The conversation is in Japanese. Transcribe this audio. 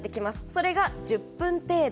それが１０分程度。